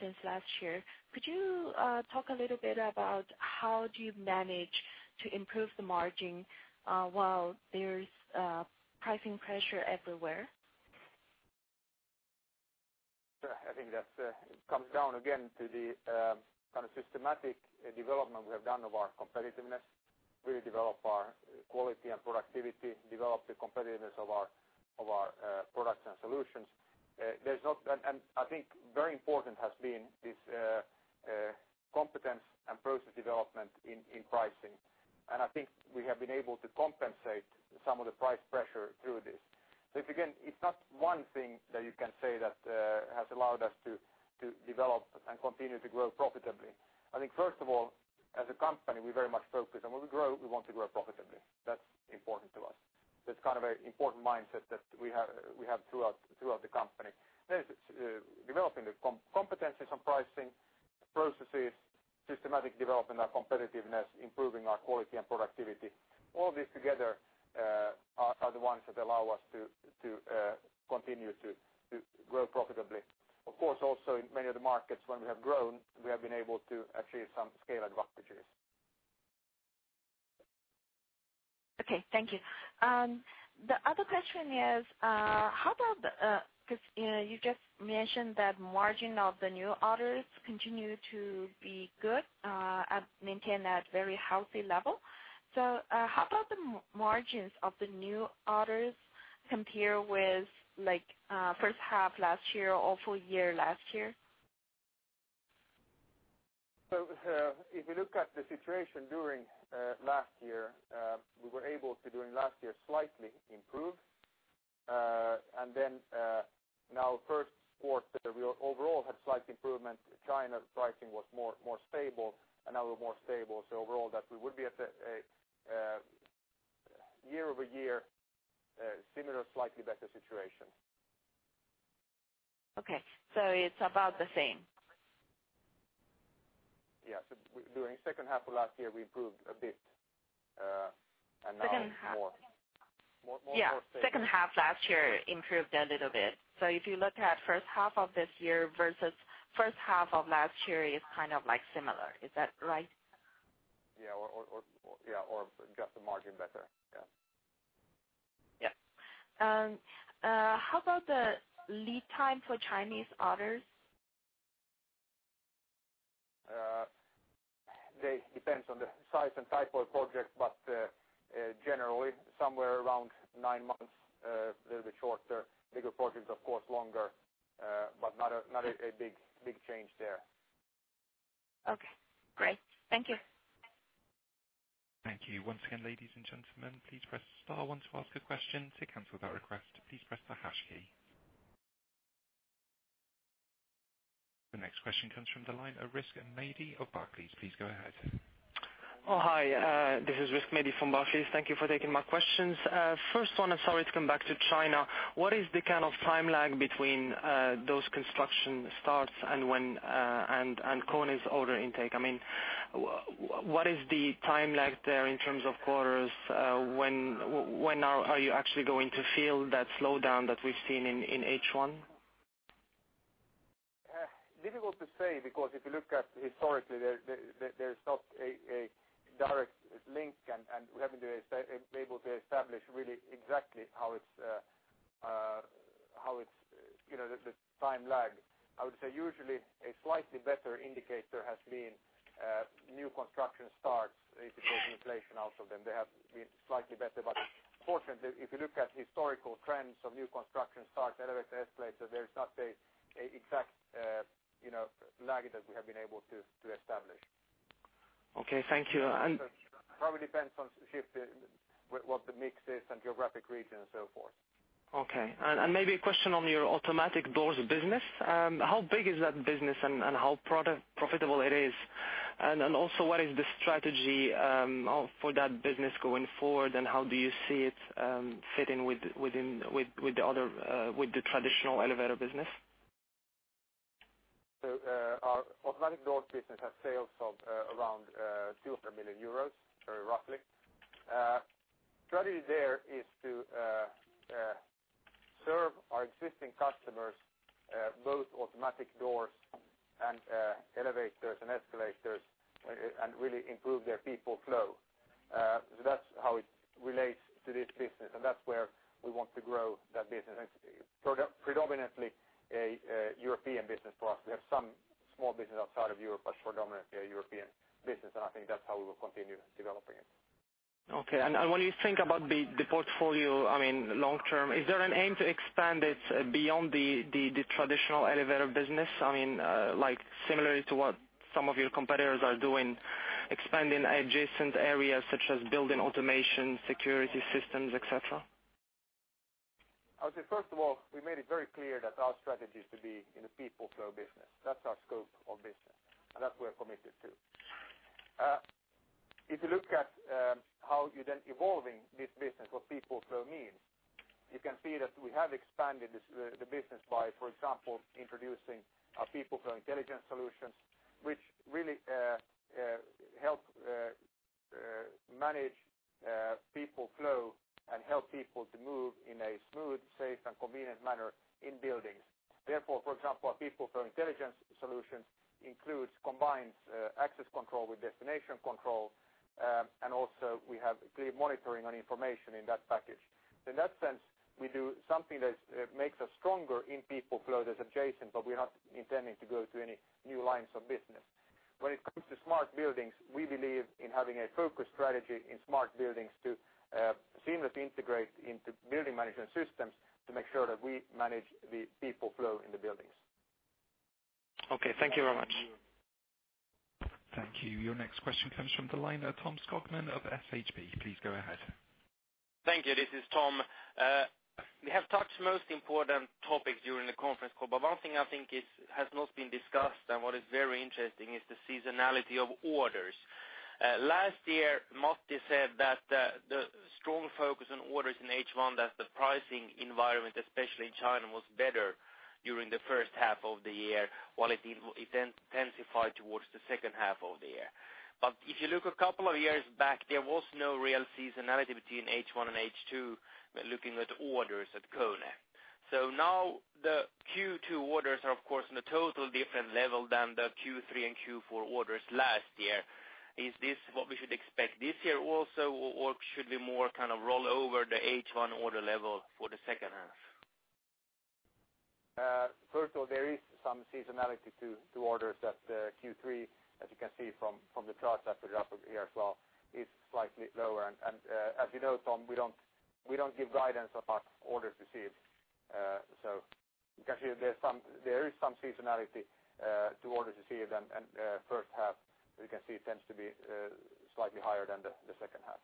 since last year. Could you talk a little bit about how do you manage to improve the margin while there is pricing pressure everywhere? I think that it comes down again to the kind of systematic development we have done of our competitiveness. Really develop our quality and productivity, develop the competitiveness of our products and solutions. I think very important has been this competence and process development in pricing. I think we have been able to compensate some of the price pressure through this. If you can, it's not one thing that you can say that has allowed us to develop and continue to grow profitably. I think, first of all, as a company, we very much focus on when we grow, we want to grow profitably. That's important to us. That's kind of a important mindset that we have throughout the company. It's developing the competencies on pricing, processes, systematic development, our competitiveness, improving our quality and productivity. All these together are the ones that allow us to continue to grow profitably. Of course, also in many of the markets when we have grown, we have been able to achieve some scale advantages. Okay, thank you. The other question is, you just mentioned that margin of the new orders continue to be good and maintain that very healthy level. How about the margins of the new orders compare with first half last year or full year last year? If you look at the situation during last year, we were able to, during last year, slightly improve. Now first quarter, we overall had slight improvement. China pricing was more stable, and now we're more stable. Overall, that we would be at a year-over-year similar, slightly better situation. Okay, it's about the same. Yeah. During second half of last year, we improved a bit, and now more. Second half. More stable. Yeah. Second half last year improved a little bit. If you look at first half of this year versus first half of last year, it's kind of similar. Is that right? Yeah. Just the margin better. Yeah. Yeah. How about the lead time for Chinese orders? It depends on the size and type of project, but generally, somewhere around nine months, a little bit shorter. Bigger projects, of course, longer, but not a big change there. Okay, great. Thank you. Thank you. Once again, ladies and gentlemen, please press star one to ask a question. To cancel that request, please press the hash key. The next question comes from the line of Rizk Maidi of Barclays. Please go ahead. Oh, hi, this is Rizk Maidi from Barclays. Thank you for taking my questions. First one, I am sorry to come back to China. What is the kind of time lag between those construction starts and KONE's order intake? What is the time lag there in terms of quarters? When are you actually going to feel that slowdown that we have seen in H1? Difficult to say because if you look at historically, there is not a direct link, and we have not been able to establish really exactly how it is the time lag. I would say usually a slightly better indicator has been new construction starts if you take inflation out of them. They have been slightly better. Fortunately, if you look at historical trends of new construction starts, elevator escalators, there is not a exact lag that we have been able to establish. Okay, thank you. Probably depends on shift, what the mix is and geographic region and so forth. Okay. Maybe a question on your automatic doors business. How big is that business and how profitable it is? Also what is the strategy for that business going forward, and how do you see it fitting with the traditional elevator business? Our automatic doors business has sales of around 2 million euros, very roughly. Strategy there is to serve our existing customers, both automatic doors and elevators and escalators, and really improve their people flow. That's how it relates to this business, and that's where we want to grow that business. Predominantly, a European business for us. We have some small business outside of Europe, but predominantly a European business, I think that's how we will continue developing it. Okay. When you think about the portfolio, long term, is there an aim to expand it beyond the traditional elevator business? Similarly to what some of your competitors are doing, expanding adjacent areas such as building automation, security systems, et cetera? I would say, first of all, we made it very clear that our strategy is to be in the people flow business. That's our scope of business, and that's where we're committed to. If you look at how you're then evolving this business, what people flow means, you can see that we have expanded the business by, for example, introducing our People Flow Intelligence solutions, which really help manage people flow and help people to move in a smooth, safe, and convenient manner in buildings. For example, our People Flow Intelligence solutions combines access control with destination control. Also we have clear monitoring on information in that package. In that sense, we do something that makes us stronger in people flow that's adjacent, We're not intending to go to any new lines of business. When it comes to smart buildings, we believe in having a focused strategy in smart buildings to seamlessly integrate into building management systems to make sure that we manage the people flow in the buildings. Okay. Thank you very much. Thank you. Your next question comes from the line, Tom Skogman of SHB. Please go ahead. Thank you. This is Tom. One thing I think has not been discussed and what is very interesting, is the seasonality of orders. Last year, Matti said that the strong focus on orders in H1, that the pricing environment, especially in China, was better during the first half of the year, while it intensified towards the second half of the year. If you look a couple of years back, there was no real seasonality between H1 and H2 when looking at orders at KONE. Now, the Q2 orders are, of course, in a total different level than the Q3 and Q4 orders last year. Is this what we should expect this year also, or should we more kind of roll over the H1 order level for the second half? First of all, there is some seasonality to orders that Q3, as you can see from the charts that we got up here as well, is slightly lower. As you know, Tom, we don't give guidance about orders received. You can see there is some seasonality to orders received, and first half, as you can see, tends to be slightly higher than the second half.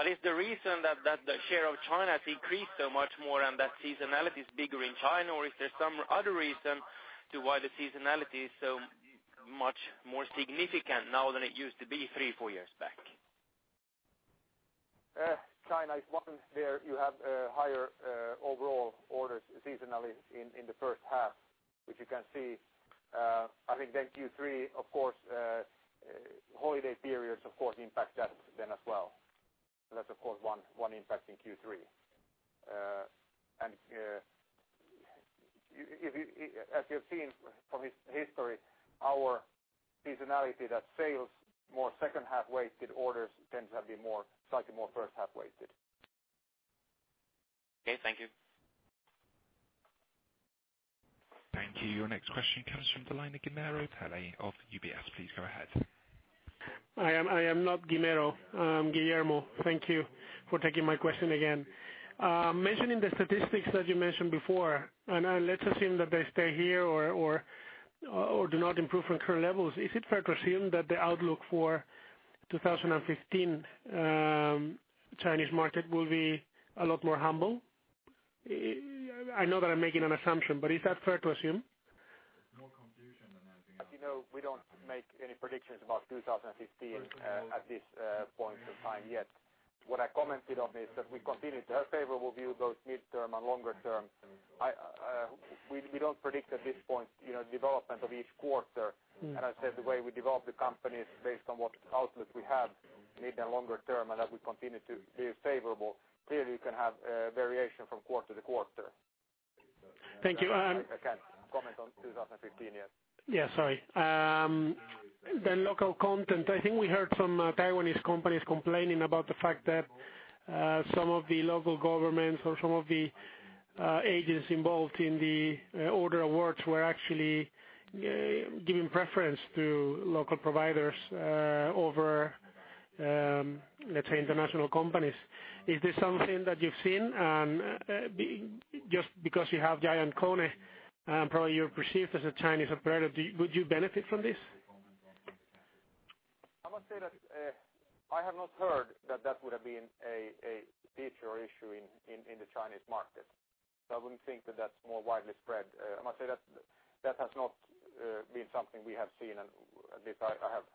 Is the reason that the share of China has increased so much more and that seasonality is bigger in China, or is there some other reason to why the seasonality is so much more significant now than it used to be three, four years back? China is one where you have higher overall orders seasonally in the first half, which you can see. Q3, of course, holiday periods impact that then as well. That's, of course, one impact in Q3. As you have seen from history, our seasonality that sales more second half weighted orders tends to be slightly more first half weighted. Okay, thank you. Thank you. Your next question comes from the line of Guillermo Peigneux of UBS. Please go ahead. I am not Guillermo. I'm Guillermo. Thank you for taking my question again. Mentioning the statistics that you mentioned before, let's assume that they stay here or do not improve from current levels, is it fair to assume that the outlook for 2015 Chinese market will be a lot more humble? I know that I'm making an assumption, but is that fair to assume? As you know, we don't make any predictions about 2015 at this point of time yet. What I commented on is that we continue to have favorable view, both midterm and longer term. We don't predict at this point development of each quarter. I said the way we develop the company is based on what outlook we have, maybe in longer term, and that we continue to be favorable. Clearly, you can have variation from quarter to quarter. Thank you. I can't comment on 2015 yet. Local content. I think we heard some Taiwanese companies complaining about the fact that some of the local governments or some of the agents involved in the order awards were actually giving preference to local providers over, let's say, international companies. Is this something that you've seen? Just because you have GiantKONE, probably you're perceived as a Chinese operator. Would you benefit from this? I must say that I have not heard that that would have been a feature or issue in the Chinese market. I wouldn't think that that's more widely spread. I must say that has not been something we have seen, and at least I have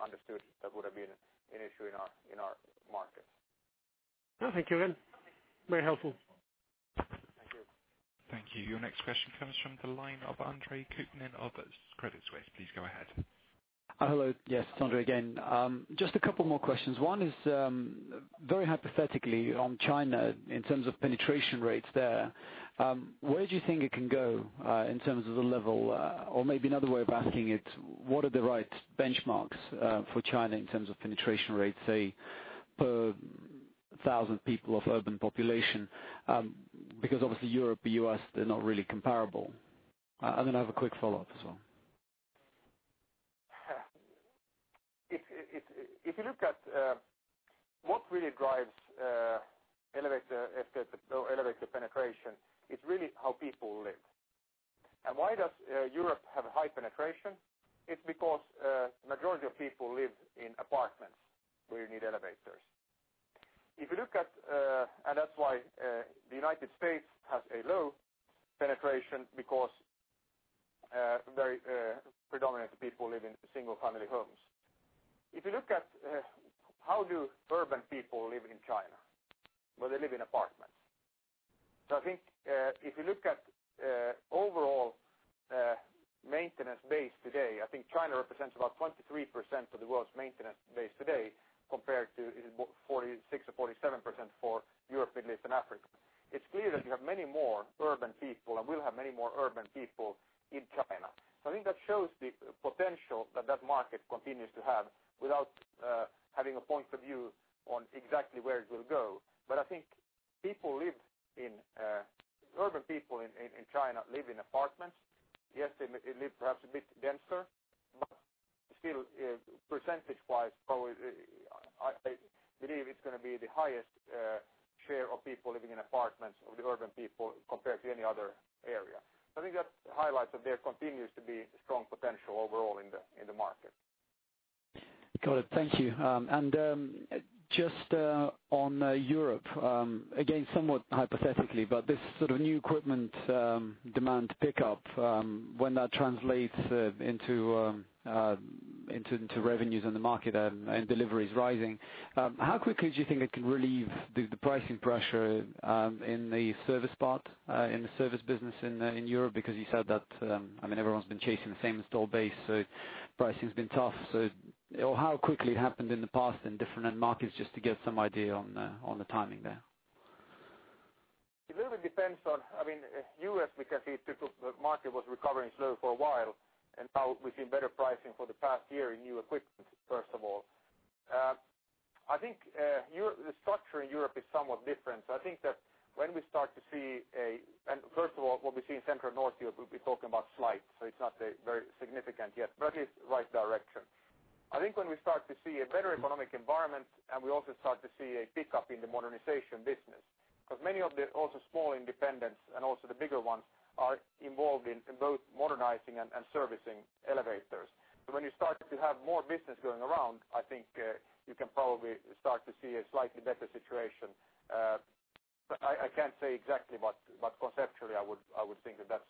understood that would have been an issue in our market. Thank you then. Very helpful. Thank you. Your next question comes from the line of Andre Kukhnin of Credit Suisse. Please go ahead. Hello. Yes, it's Andre again. Just a two more questions. One is, very hypothetically on China, in terms of penetration rates there, where do you think it can go, in terms of the level? Maybe another way of asking it, what are the right benchmarks for China in terms of penetration rates, say, per 1,000 people of urban population? Obviously Europe, the U.S., they're not really comparable. Then I have a quick follow-up as well. If you look at what really drives elevator penetration, it's really how people live. Why does Europe have a high penetration? It's because majority of people live in apartments, where you need elevators. That's why the U.S. has a low penetration because very predominant people live in single family homes. If you look at how do urban people live in China? Well, they live in apartments. I think, if you look at overall maintenance base today, I think China represents about 23% of the world's maintenance base today compared to 46% or 47% for Europe, Middle East, and Africa. It's clear that you have many more urban people and will have many more urban people in China. I think that shows the potential that that market continues to have without having a point of view on exactly where it will go. I think urban people in China live in apartments. Yes, they live perhaps a bit denser, but still, percentage-wise, probably, I believe it's going to be the highest share of people living in apartments of the urban people compared to any other area. I think that highlights that there continues to be strong potential overall in the market. Got it. Thank you. Just on Europe, again, somewhat hypothetically, but this sort of new equipment demand pickup, when that translates into revenues in the market and deliveries rising, how quickly do you think it can relieve the pricing pressure in the service part, in the service business in Europe? Because you said that everyone's been chasing the same install base, pricing's been tough. How quickly it happened in the past in different end markets just to get some idea on the timing there? It really depends on. U.S. we can see the market was recovering slow for a while, now we've seen better pricing for the past year in new equipment, first of all. I think the structure in Europe is somewhat different. I think that when we start to see a, first of all, what we see in Central and North Europe, we'll be talking about slight, it's not very significant yet, but it is right direction. I think when we start to see a better economic environment and we also start to see a pickup in the modernization business. Many of the also small independents and also the bigger ones are involved in both modernizing and servicing elevators. When you start to have more business going around, I think you can probably start to see a slightly better situation. I can't say exactly, but conceptually, I would think that that's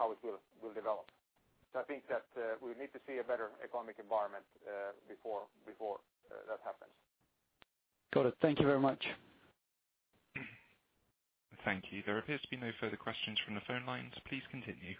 how it will develop. I think that we need to see a better economic environment before that happens. Got it. Thank you very much. Thank you. There appears to be no further questions from the phone lines. Please continue.